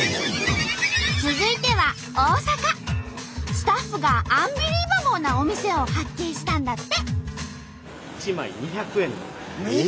スタッフが「アンビリーバボー」なお店を発見したんだって。